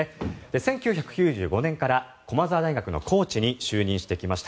１９９５年から駒澤大学のコーチに就任してきました。